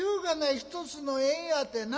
一つの縁やてな。